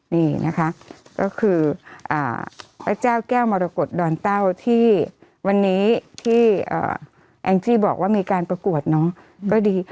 นี่นะคะก็คือพระเจ้าแก้วมรกฏดอนเต้าที่วันนี้ที่แองจี้บอกว่ามีการประกวดเนาะก็ดี